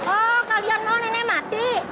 oh kalian mau nenek mati